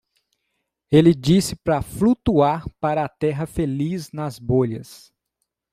Ele disse para flutuar para a Terra Feliz nas bolhas.